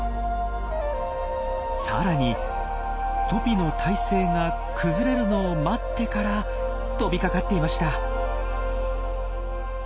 さらにトピの体勢が崩れるのを待ってから飛びかかっていました。